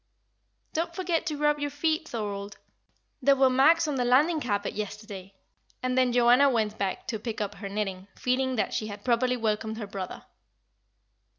"Don't forget to rub your feet, Thorold. There were marks on the landing carpet yesterday;" and then Joanna went back to pick up her knitting, feeling that she had properly welcomed her brother.